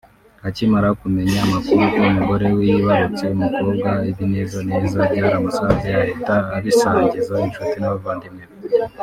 Akimara kumenya amakuru ko umugore we yibarutse umukobwa ibinezaneza byaramusaze ahita abisangiza inshuti n’abavandimwe be